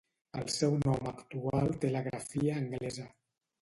El seu nom actual té la grafia anglesa.